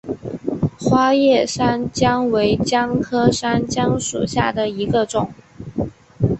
花叶山姜为姜科山姜属下的一个种。